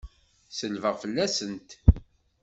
Selbeɣ fell-asent!